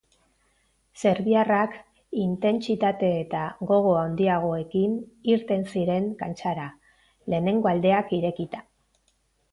Serbiarrak intentsitate eta gogo handiagoekin irten ziren kantxara, lehenengo aldeak irekita.